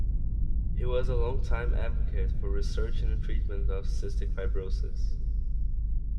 He was a long-time advocate for research and treatment of cystic fibrosis.